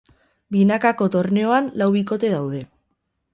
Binakako torneoan lau bikote daude.